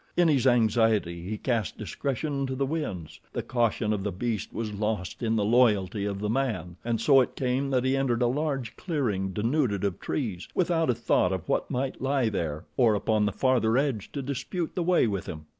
In his anxiety he cast discretion to the winds. The caution of the beast was lost in the loyalty of the man, and so it came that he entered a large clearing, denuded of trees, without a thought of what might lie there or upon the farther edge to dispute the way with him.